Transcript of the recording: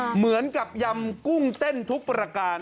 เหมือนกับยำกุ้งเต้นทุกประการ